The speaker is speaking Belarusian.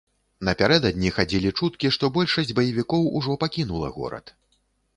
Напярэдадні хадзілі чуткі, што большасць баевікоў ужо пакінула горад.